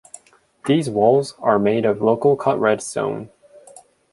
These walls are made of local cut red stone.